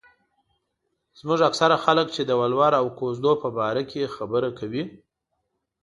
زموږ اکثره خلک چې د ولور او کوژدو په باره کې خبره کوي.